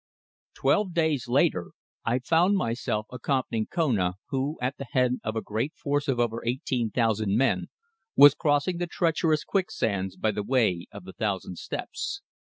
TWELVE days later I found myself accompanying Kona who, at the head of a great force of over eighteen thousand men, was crossing the treacherous quicksands by the Way of the Thousand Steps.